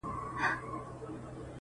زه خو یارانو نامعلوم آدرس ته ودرېدم ,